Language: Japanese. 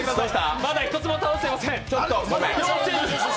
まだ１つも倒していません。